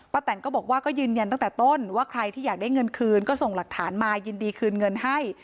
แตนก็บอกว่าก็ยืนยันตั้งแต่ต้นว่าใครที่อยากได้เงินคืนก็ส่งหลักฐานมายินดีคืนเงินให้